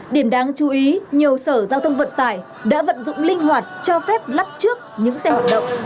điểm đáng chú ý nhiều sở giao thông vận tải đã vận dụng linh hoạt cho phép lắp trước những xe hoạt động